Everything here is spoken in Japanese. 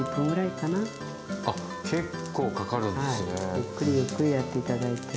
ゆっくりゆっくりやって頂いて。